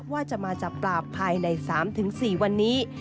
ว่าจะมาจับปราบภายใน๓๔วันนี้